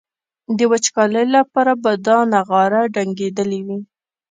د وچکالۍ لپاره به دا نغاره ډنګېدلي وي.